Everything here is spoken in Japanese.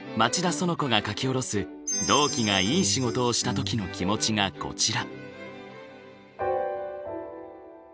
そのこが書き下ろす同期がいい仕事をした時の気持ちがこちら。